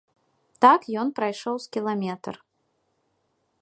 Так ён прайшоў з кіламетр.